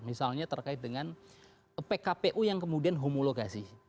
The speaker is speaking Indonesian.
misalnya terkait dengan pkpu yang kemudian homologasi